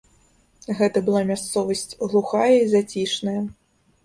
Гэта была мясцовасць глухая і зацішная.